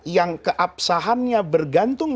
yang keabsahannya bergantung